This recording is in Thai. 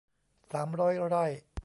สามร้อยไร่